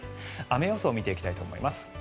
雨予想を見ていきたいと思います。